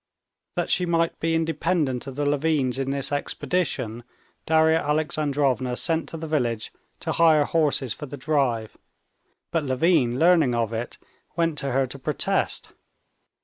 That she might be independent of the Levins in this expedition, Darya Alexandrovna sent to the village to hire horses for the drive; but Levin learning of it went to her to protest.